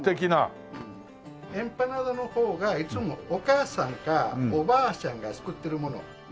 エンパナーダの方がいつもお母さんかおばあちゃんが作ってるもの。